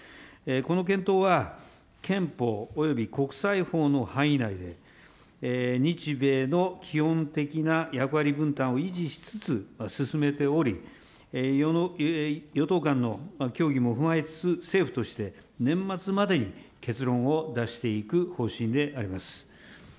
この検討は、憲法および国際法の範囲内で、日米の基本的な役割分担を維持しつつ、進めており、与党間の協議も踏まえつつ、政府として年末までに結論を出していく方針であります。